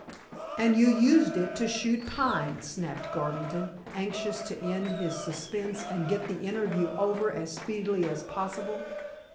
"And you used it to shoot Pine," snapped Garvington, anxious to end his suspense and get the interview over as speedily as possible.